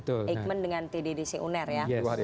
eijkman dengan tddc uner ya